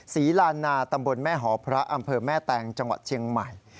ลานนาตำบลแม่หอพระอำเภอแม่แตงจังหวัดเชียงใหม่